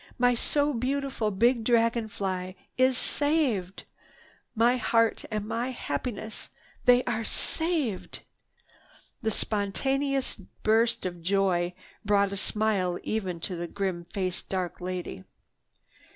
My so beautiful big dragon fly is saved! My heart and my happiness, they are saved!" This spontaneous burst of joy brought a smile even to the grim faced dark lady.